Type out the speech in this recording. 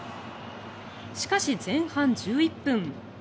しかし、前半１１分。